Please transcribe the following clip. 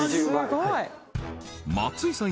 松井さん